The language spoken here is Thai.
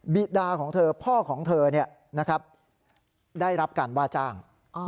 ิดาของเธอพ่อของเธอได้รับการว่าจ้าง